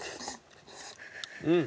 うん！